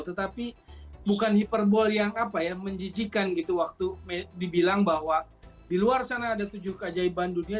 tetapi bukan hiperbol yang apa ya menjijikan gitu waktu dibilang bahwa di luar sana ada tujuh keajaiban dunia